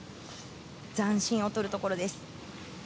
残心をとるところです。